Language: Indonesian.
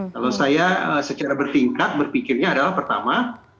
kalau saya secara bertingkat berpikirnya adalah pertama